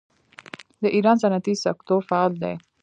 د ایران صنعتي سکتور فعال دی.